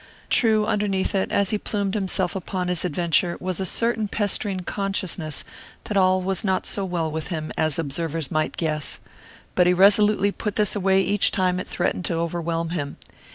True, underneath it, as he plumed himself upon his adventure, was a certain pestering consciousness that all was not so well with him as observers might guess. But he resolutely put this away each time it threatened to overwhelm him.